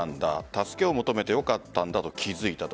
助けを求めてよかったんだと気付いたと。